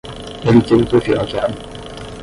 Ele teve o perfil hackeado.